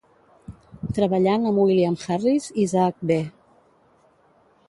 Treballant amb William Harris i Isaac B.